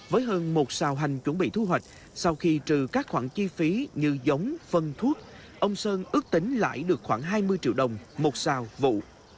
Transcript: với hơn một xào hành chuẩn bị thu hoạch sau khi trừ các khoản chi phí như giống phân thuốc ông sơn ước tính lãi được khoảng hai mươi triệu đồng một xào vụ